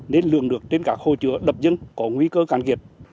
nên lường nước trên các khu chứa đập dưng có nguy cơ cắn kiệt